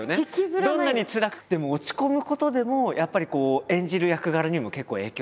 どんなにつらくても落ち込むことでもやっぱり演じる役柄にも結構影響ありますよねきっと。